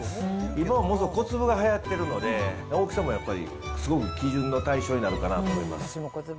今、小粒がはやってるので、大きさもやっぱりすごく基準の対象になるかなと思います。